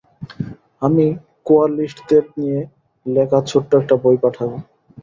আমি কোয়ালিস্টদের নিয়ে লেখা ছোট্ট একটা বই পাঠাব।